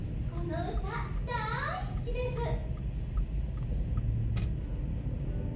この歌大すきです。